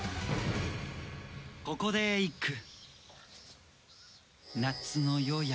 ここで一句。